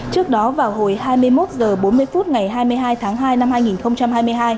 trước đó vào hồi hai mươi một h bốn mươi phút ngày hai mươi hai tháng hai năm hai nghìn hai mươi hai